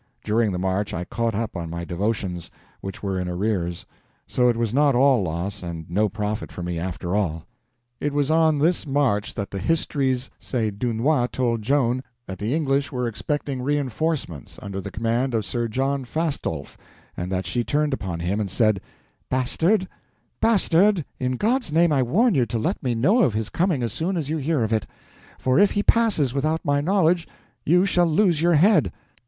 During the march I caught up on my devotions, which were in arrears; so it was not all loss and no profit for me after all. It was on this march that the histories say Dunois told Joan that the English were expecting reinforcements under the command of Sir John Fastolfe, and that she turned upon him and said: "Bastard, Bastard, in God's name I warn you to let me know of his coming as soon as you hear of it; for if he passes without my knowledge you shall lose your head!"